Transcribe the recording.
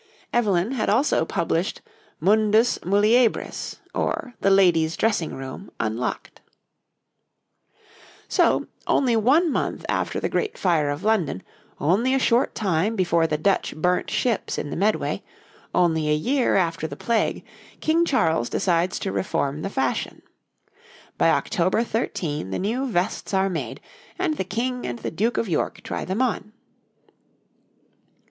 Evelyn had also published 'Mundus Muliebris; or, the Ladies' Dressing Room Unlocked.' [Illustration: {A woman of the time of Charles II.}] So, only one month after the Great Fire of London, only a short time before the Dutch burnt ships in the Medway, only a year after the Plague, King Charles decides to reform the fashion. By October 13 the new vests are made, and the King and the Duke of York try them on.